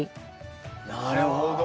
なるほど。